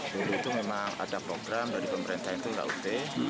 dulu itu memang ada program dari pemerintah itu kut